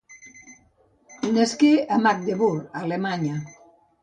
Nasqué a Magdeburg, Alemanya.